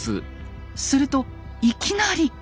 するといきなり。